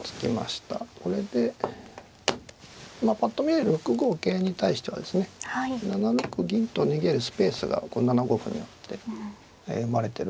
これでぱっと見は６五桂に対してはですね７六銀と逃げるスペースがこの７五歩によって生まれてるんですね。